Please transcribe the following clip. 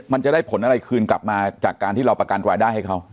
มันจะได้ผลอะไรคืนกลับมาจากการที่เราประกันรายได้ให้เขา